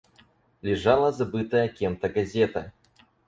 Лежала забытая кем-то газета.